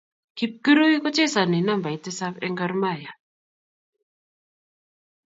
Kipkirui ko chezani nambait tisap en Gor mahia